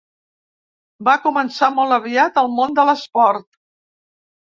Va començar molt aviat al món de l'esport.